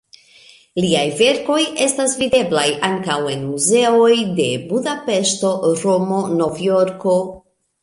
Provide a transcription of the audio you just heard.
Liaj verkoj estas videblaj ankaŭ en muzeoj de Budapeŝto, Romo, Novjorko.